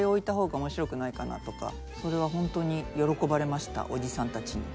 それはホントに喜ばれましたおじさんたちに。